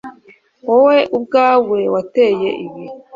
Wowe ubwawe wateye ibi